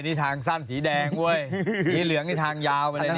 นี่ทางสั้นสีแดงด้วยนี่เหลืองนี่ทางยาวอะไรแบบนี้ไหม